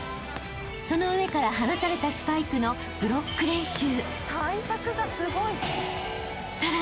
［その上から放たれたスパイクのブロック練習］